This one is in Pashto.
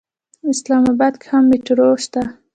اسلام اباد کې هم میټرو شته.